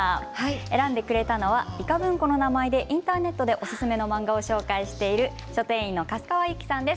選んでくれたのはいか文庫の名前でインターネットでおすすめの漫画を紹介している書店員の粕川ゆきさんです。